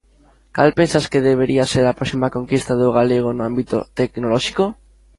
Cal pensas que debería ser a próxima conquista do galego no ámbito tecnolóxico?